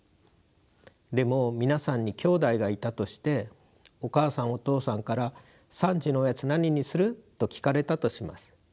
でも皆さんに兄弟がいたとしてお母さんお父さんから３時のおやつ何にする？と聞かれたとします。